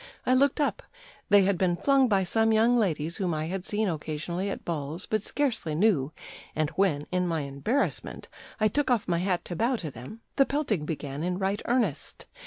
I looked up; they had been flung by some young ladies whom I had seen occasionally at balls, but scarcely knew, and when, in my embarrassment, I took off my hat to bow to them, the pelting began in right earnest.